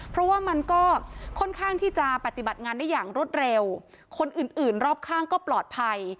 เพราะว่ามันก็ค่อนข้างที่จะปฏิบัติงานได้อย่างรวดเร็วคนอื่นอื่นรอบข้างก็ปลอดภัย